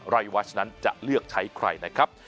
รายวัชนั้นจะเลือกใช้ใครนะครับ